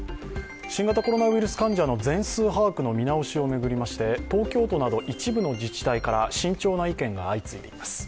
新型コロナウイルス患者の全数把握の見直しを巡りまして東京都など一部の自治体から慎重な意見が相次いでいます。